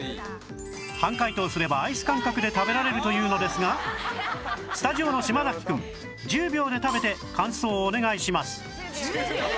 半解凍すればアイス感覚で食べられるというのですがスタジオの島崎くん１０秒で食べて感想をお願いします